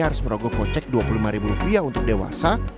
harus merogoh kocek rp dua puluh lima ribu rupiah untuk dewasa